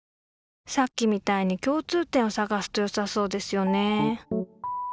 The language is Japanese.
さっきみたいに共通点を探すとよさそうですよね。